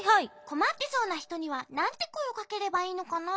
こまってそうなひとにはなんてこえをかければいいのかな？